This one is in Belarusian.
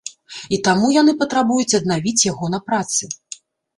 І таму яны патрабуюць аднавіць яго на працы.